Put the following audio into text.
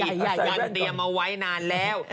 ยันเตรียมเอาไว้นานแล้ว